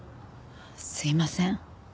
すいません。